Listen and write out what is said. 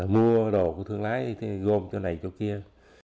mua đồ của thương lái gồm chỗ này chỗ kia